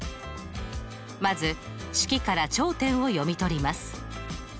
まず式から頂点を読み取ります。